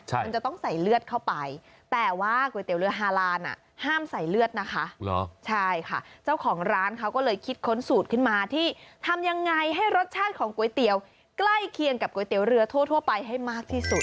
มันจะต้องใส่เลือดเข้าไปแต่ว่าก๋วยเตี๋ยวเรือฮาลานห้ามใส่เลือดนะคะใช่ค่ะเจ้าของร้านเขาก็เลยคิดค้นสูตรขึ้นมาที่ทำยังไงให้รสชาติของก๋วยเตี๋ยวใกล้เคียงกับก๋วยเตี๋ยวเรือทั่วไปให้มากที่สุด